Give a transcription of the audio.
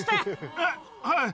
あっ、はい。